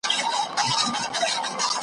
په زړو کفن کښانو پسي ژاړو .